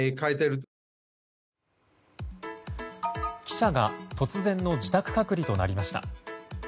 記者が突然の自宅隔離となりました。